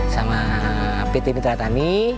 sama pt mitra tani